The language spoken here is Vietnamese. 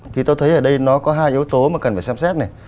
thì tôi thấy ở đây nó có hai yếu tố mà cần phải xem xét này